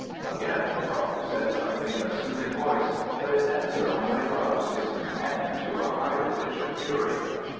Again the Doctor said something in a soothing voice, but his answer only roused his companion to a higher pitch of fury.